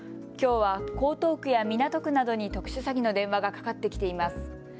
きょうは江東区や港区などに特殊詐欺の電話がかかってきています。